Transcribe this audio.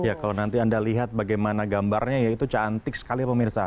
ya kalau nanti anda lihat bagaimana gambarnya ya itu cantik sekali pemirsa